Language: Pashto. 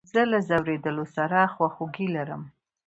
زه له ځورېدلو سره خواخوږي لرم.